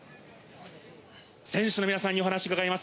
選手の皆さんにお話を伺います。